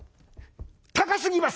高すぎます！」。